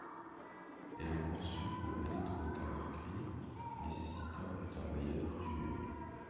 Elle est conçue pour l'électronique embarquée nécessitant du temps réel dur.